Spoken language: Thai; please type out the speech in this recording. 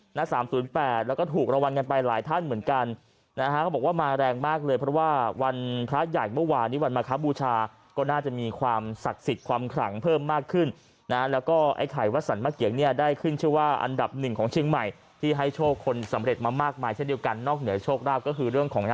หน้าสามศูนย์แปดแล้วก็ถูกรางวัลกันไปหลายท่านเหมือนกันนะฮะเขาบอกว่ามาแรงมากเลยเพราะว่าวันพระใหญ่เมื่อวานนี้วันมาครับบูชาก็น่าจะมีความศักดิ์สิทธิ์ความขลังเพิ่มมากขึ้นนะแล้วก็ไอ้ไข่วัดสรรมะเกียงเนี่ยได้ขึ้นชื่อว่าอันดับหนึ่งของเชียงใหม่ที่ให้โชคคนสำเร็จมามากมายเช่นเดียวกันนอกเหนือโชคราบก็คือเรื่องของ